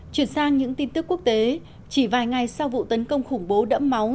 chuyển sang những tin tức quốc tế chỉ vài ngày sau vụ tấn công khủng bố đẫm máu